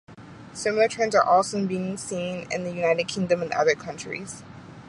Similar trends are also being seen in the United Kingdom and other countries.